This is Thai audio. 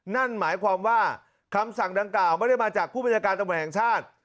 นั่นหมายความว่าคำสั่งดังกล่าวไม่ได้มาจากผู้บัญชาการตำรวจแห่งชาติ